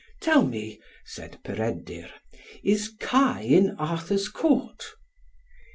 "Tell me," said Peredur, "is Kai in Arthur's Court?"